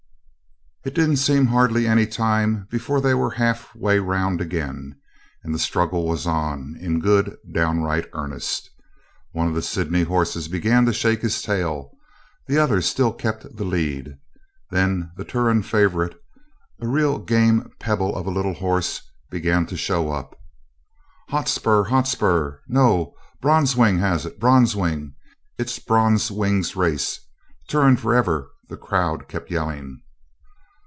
It didn't seem hardly any time before they were half way round again, and the struggle was on, in good downright earnest. One of the Sydney horses began to shake his tail. The other still kept the lead. Then the Turon favourite a real game pebble of a little horse began to show up. 'Hotspur, Hotspur! No. Bronzewing has it Bronzewing. It's Bronzewing's race. Turon for ever!' the crowd kept yelling.